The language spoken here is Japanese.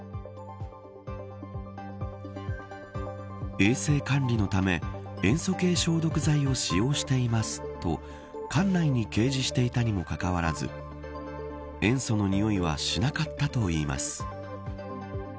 衛生管理のため塩素系消毒剤を使用していますと館内に掲示していたにもかかわらず塩素のにおいはしなかったといいます。